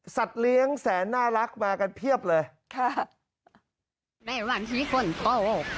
เลี้ยงแสนน่ารักมากันเพียบเลยค่ะในวันที่คนโต